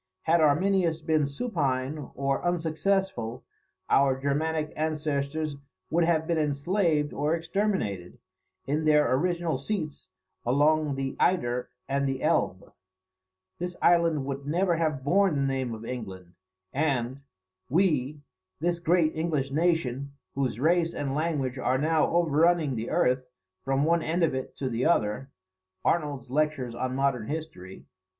Had Arminius been supine or unsuccessful, our Germanic ancestors would have been enslaved or exterminated in their original seats along the Eyder and the Elbe; this island would never have borne the name of England, and "we, this great English nation, whose race and language are now over running the earth, from one end of it to the other," [Arnold's Lectures on Modern History.